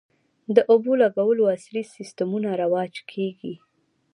د اوبولګولو عصري سیستمونه رواج کیږي